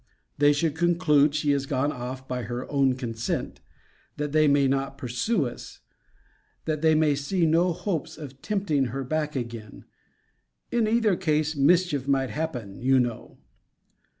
They should conclude she is gone off by her own consent, that they may not pursue us: that they may see no hopes of tempting her back again. In either case, mischief might happen, you know.